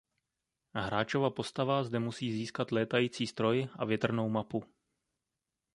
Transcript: Hráčova postava zde musí získat létající stroj a větrnou mapu.